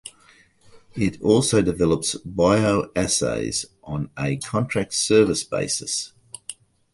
It also develops bioassays on a contract service basis.